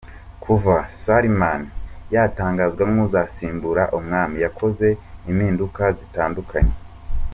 Kuva Salman yatangazwa nk’uzasimbura umwami, yakoze impinduka zitandukanye.